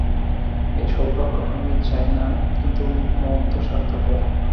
এত সৌভাগ্য আমি চাই না, কিন্তু মনে তো স্বার্থপর।